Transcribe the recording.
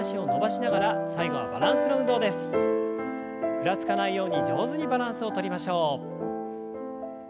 ふらつかないように上手にバランスをとりましょう。